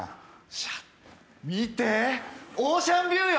シャッ見てオーシャンビューよ！